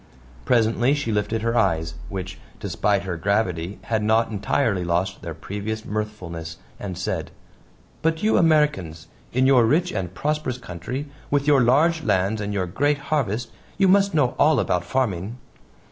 Presently she lifted her eyes, which, despite her gravity, had not entirely lost their previous mirthfulness, and said: "But you Americans in your rich and prosperous country, with your large lands and your great harvests you must know all about farming."